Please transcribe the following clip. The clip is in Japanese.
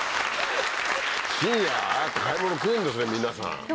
皆さん。